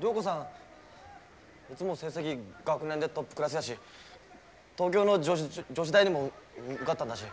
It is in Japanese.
涼子さんいつも成績学年でトップクラスやし東京の女子大にも受かったんだし。